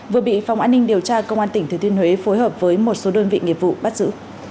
vừa bị phòng an ninh điều tra công an tỉnh thứ thiên huế phối hợp với một số đơn vị nghiệp vụ bắt giữ